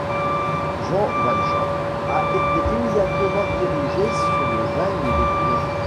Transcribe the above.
Jean Valjean a été immédiatement dirigé sur le bagne de Toulon.